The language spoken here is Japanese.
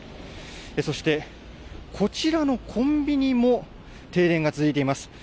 そして、こちらのコンビニも停電が続いています。